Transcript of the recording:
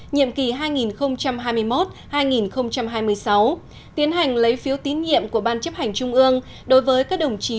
nhiệm kỳ hai nghìn hai mươi một hai nghìn hai mươi sáu tiến hành lấy phiếu tín nhiệm của ban chấp hành trung ương đối với các đồng chí